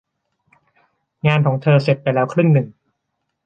งานของเธอเสร็จไปแล้วครึ่งหนึ่ง